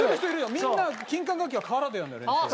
みんな金管楽器は河原でやるんだよ練習は。